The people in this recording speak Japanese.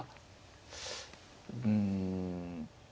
うん。